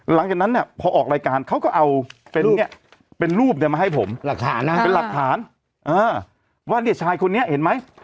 หลังจากนั้นเนี่ยพอออกรายการเขาก็เอาเป็นรูปเนี่ยมาให้ผมเป็นหลักฐานว่าเนี่ยชายคนนี้เห็นไหม